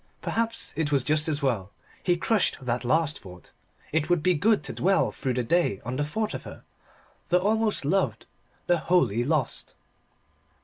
Perhaps it was just as well. He crushed that last thought. It would be good to dwell through the day on the thought of her the almost loved, the wholly lost.